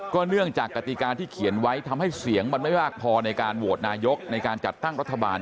เนื่องจากกติกาที่เขียนไว้ทำให้เสียงมันไม่มากพอในการโหวตนายกในการจัดตั้งรัฐบาล